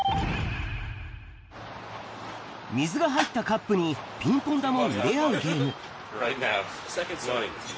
水が入ったカップにピンポン球を入れ合うゲーム。